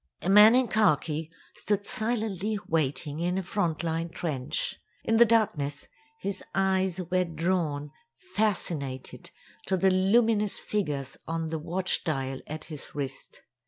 A man in khaki stood silently waiting in a frontline trench. In the darkness, his eyes were drawn, fascinated, to the luminous figures on the watch dial at his wrist.